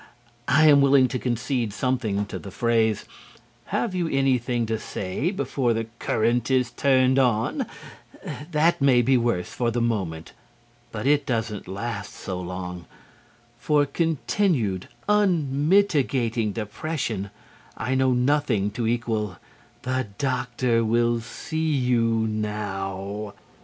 I am willing to concede something to the phrase "Have you anything to say before the current is turned on." That may be worse for the moment, but it doesn't last so long. For continued, unmitigating depression, I know nothing to equal "The doctor will see you now."